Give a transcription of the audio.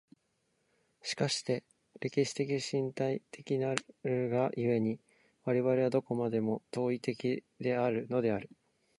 しかして歴史的身体的なるが故に、我々はどこまでも当為的であるのである。